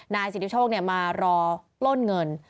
นายศิษย์ทิชโชคมารอปล้นเงิน